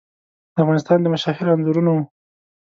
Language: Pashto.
د افغانستان د مشاهیرو انځورونه وو.